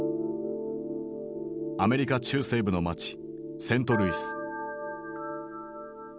アメリカ中西部の街セントルイス。